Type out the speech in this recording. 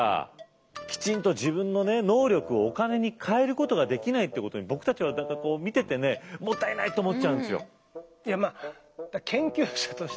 きちんと自分の能力をお金に変えることができないってことに僕たちは何かこう見ててねもったいないと思っちゃうんですよ。